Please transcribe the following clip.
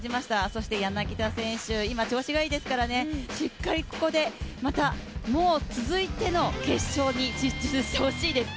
そして柳田選手、今、調子がいいですから、しっかりここでまた、もう続いての決勝に進出してほしいです。